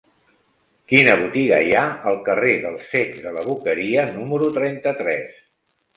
Quina botiga hi ha al carrer dels Cecs de la Boqueria número trenta-tres?